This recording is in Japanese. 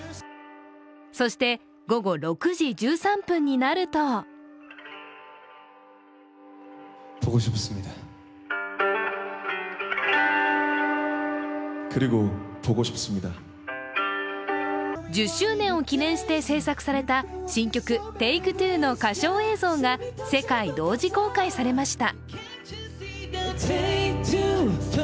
そして、午後６時１３分になると１０周年を記念して制作された新曲「ＴａｋｅＴｗｏ」の歌唱映像が世界同時公開されました。